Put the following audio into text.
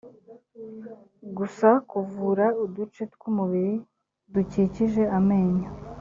gusa kuvura uduce tw umubiri dukikije amenyo